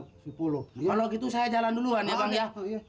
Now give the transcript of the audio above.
kalau gitu saya jalan duluan ya bang ya